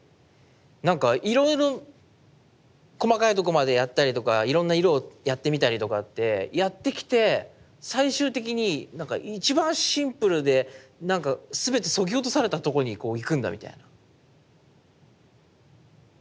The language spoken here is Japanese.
なんかいろいろ細かいとこまでやったりとかいろんな色をやってみたりとかってやってきて最終的になんか一番シンプルでなんか全てそぎ落とされたとこにこう行くんだみたいな。